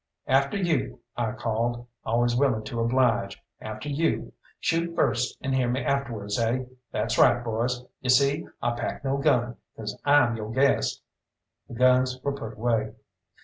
"After you!" I called, always willing to oblige "after you. Shoot first, and hear me afterwards, eh? That's right, boys. You see, I pack no gun, 'cause I'm yo' guest." The guns were put away.